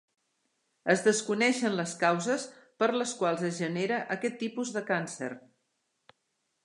Es desconeixen les causes per les quals es genera aquest tipus de càncer.